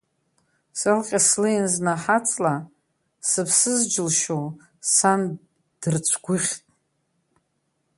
Салҟьа слеин зны аҳаҵла, сыԥсыз џьылшьоу, сан дрыцәгәыӷьт.